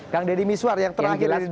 kang didi miswar yang terakhir dari saya